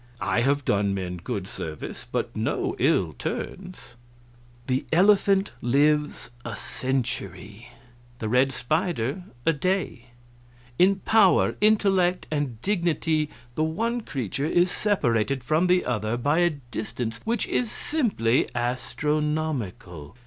I have done men good service, but no ill turns. "The elephant lives a century, the red spider a day; in power, intellect, and dignity the one creature is separated from the other by a distance which is simply astronomical.